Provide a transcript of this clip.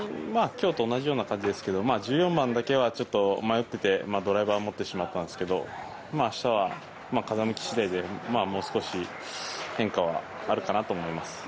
今日と同じ感じですが１４番だけは迷ってて、ドライバーを持ってしまったんですけど明日は風向き次第で、もう少し変化はあるかなと思います。